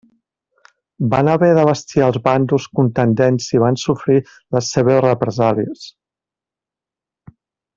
Van haver d'abastir als bàndols contendents i van sofrir les seves represàlies.